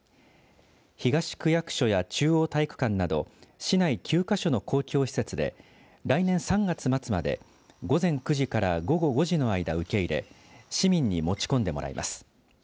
東区役所や中央体育館など市内９か所の公共施設で来年３月末まで午前９時から午後５時の間、受け入れ市民に持ち込んでもらいます。